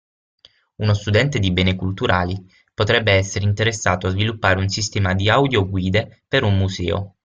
Uno studente di Beni Culturali potrebbe essere interessato a sviluppare un sistema di audioguide per un museo.